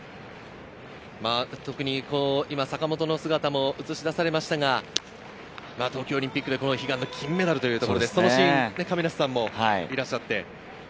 特に今、坂本の姿も映し出されましたが、東京オリンピックで悲願の金メダルというところで、そのシーン、亀梨さんもいらっしゃって。